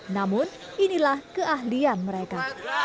namun inilah keahlian mereka